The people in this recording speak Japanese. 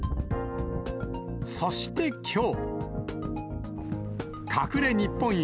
そしてきょう。